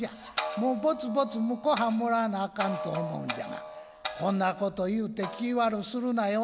もうぼつぼつ婿はんもらわなあかんと思うんじゃがこんなこと言うて気ぃ悪するなよ。